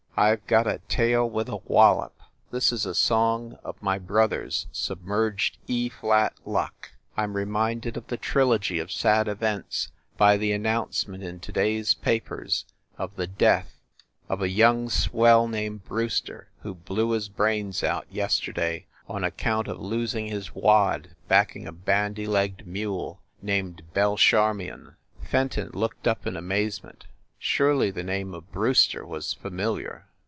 I ve got a tale with a wallop. This is a song of my brother s submerged E flat luck. I m re minded of the trilogy of sad events by the announce ment in to day s papers of the death of a young THE LIARS CLUB 69 swell named Brewster, who blew his brains out yes terday on account of losing his wad backing a bandy legged mule named Belcharmion." Fenton looked up in amazement. Surely the name of Brewster was familiar!